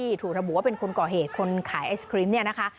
ถูกระบุว่าเป็นคนก่อเหตุคนขายไอศครีมเนี่ยนะคะ